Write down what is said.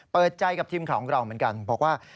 เปิดใจกับทีมข่าวของเราเหมือนกันบอกว่า